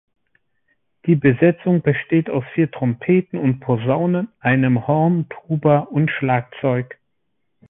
Die Besetzung besteht aus vier Trompeten und Posaunen, einem Horn, Tuba und Schlagzeug.